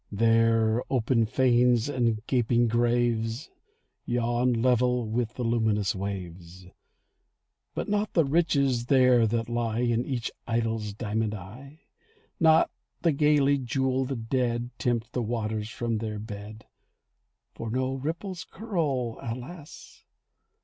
There open fanes and gaping graves Yawn level with the luminous waves; But not the riches there that lie In each idol's diamond eye— Not the gaily jewelled dead Tempt the waters from their bed; For no ripples curl, alas!